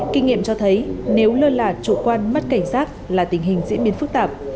kinh nghiệm cho thấy nếu lơ là chủ quan mất cảnh giác là tình hình diễn biến phức tạp